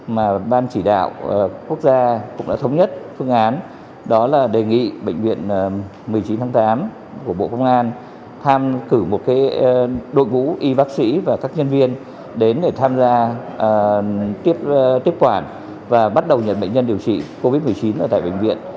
mà ban chỉ đạo quốc gia cũng đã thống nhất phương án đó là đề nghị bệnh viện một mươi chín tháng tám của bộ công an tham cử một đội ngũ y bác sĩ và các nhân viên đến để tham gia tiếp quản và bắt đầu nhận bệnh nhân điều trị covid một mươi chín ở tại bệnh viện